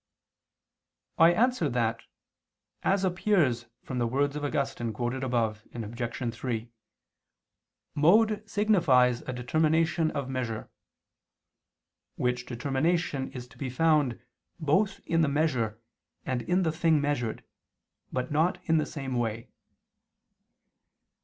I answer that, As appears from the words of Augustine quoted above (Obj. 3) mode signifies a determination of measure; which determination is to be found both in the measure and in the thing measured, but not in the same way.